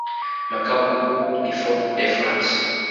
Makao makuu ni Fort-de-France.